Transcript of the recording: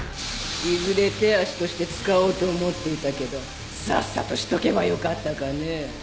いずれ手足として使おうと思っていたけどさっさとしとけばよかったかねぇ。